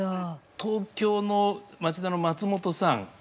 東京の町田の松本さん